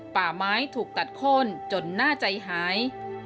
ป่าไม้ถูกตัดโค้นจนน่าใจหาย